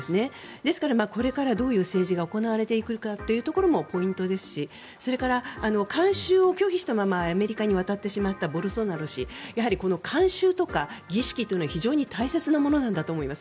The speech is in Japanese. ですから、これからどういう政治が行われていくかというところもポイントですしそれから慣習を拒否したままアメリカに渡ってしまったボルソナロ氏やはりこの慣習とか儀式というのは非常に大切なものなんだと思います。